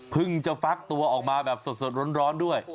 จะฟักตัวออกมาแบบสดร้อนด้วย